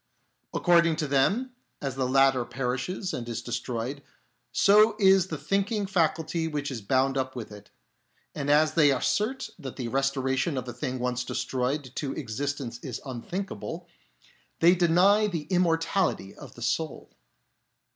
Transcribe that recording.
According to them, as the latter perishes and is destroyed, so is the thinking faculty which is bound up with it ; and as they assert that the restoration of a thing once destroyed to existence is unthinkable, they deny the immortality of the soul.